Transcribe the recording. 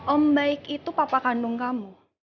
om baik itu papa kandung kamu